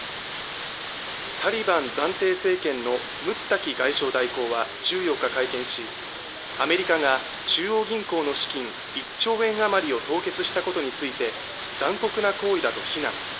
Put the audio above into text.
タリバン暫定政権のムッタキ外相代行は１４日会見し、アメリカが中央銀行の資金１兆円あまりを凍結したことについて、残酷な行為だと非難。